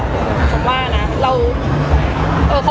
ผมว่านะเรา